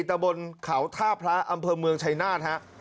ตะบนเขาท่าพระอำเภอเมืองชัยนาธฮะ